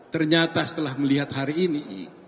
ternyata setelah melihat hari ini